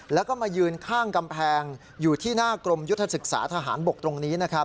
แล้วก็มายืนข้างกำแพงอยู่ที่หน้ากรมยุทธศึกษาทหารบกตรงนี้นะครับ